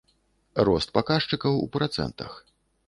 Рост паказчыкаў у працэнтах.